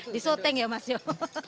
di syuting ya mas yuk